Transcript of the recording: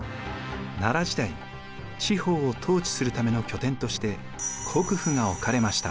奈良時代地方を統治するための拠点として国府が置かれました。